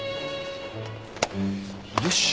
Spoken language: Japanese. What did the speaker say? よし。